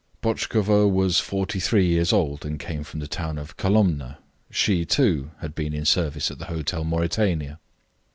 Botchkova was forty three years old, and came from the town of Kalomna. She, too, had been in service at the Hotel Mauritania.